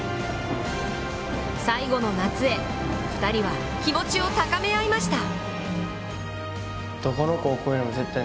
最後の夏へ２人は気持ちを高め合いました。